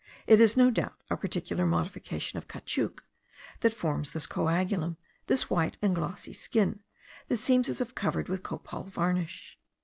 It is, no doubt, a particular modification of caoutchouc that forms this coagulum, this white and glossy skin, that seems as if covered with copal varnish.